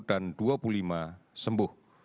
dan dua puluh lima sembuh